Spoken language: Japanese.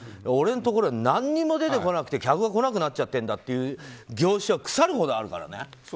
俺のところは何も出てこなくて客が来なくなっちゃってるんだって業種は腐るほどあるからね。